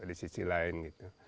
di sisi lain gitu